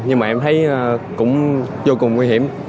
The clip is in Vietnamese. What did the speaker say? nhưng mà em thấy cũng vô cùng nguy hiểm